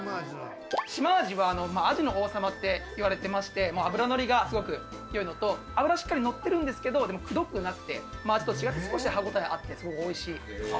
シマアジはアジの王様っていわれてまして脂のりがすごく良いのと脂しっかりのってるんですけどくどくなくて真アジと違って少し歯応えあってすごくおいしい。